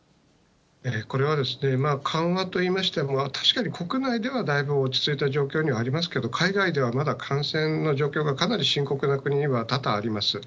これは、緩和といいましても、確かに国内ではだいぶ落ち着いた状況にはありますけれども、海外ではまだ感染の状況がかなり深刻な国は多々あります。